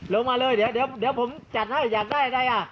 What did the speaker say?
ลงมาเลยเดี๋ยวผมจัดให้อย่างได้